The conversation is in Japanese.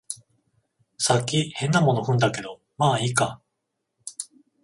さっき変なもの踏んだけど、まあいいか